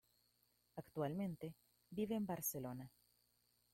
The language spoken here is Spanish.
Actualmente, vive en Barcelona.